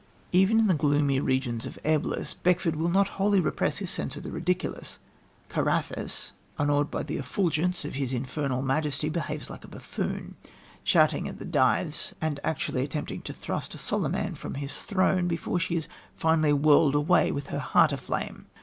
Even in the gloomy regions of Eblis, Beckford will not wholly repress his sense of the ridiculous. Carathis, unawed by the effulgence of his infernal majesty, behaves like a buffoon, shouting at the Dives and actually attempting to thrust a Soliman from his throne, before she is finally whirled away with her heart aflame.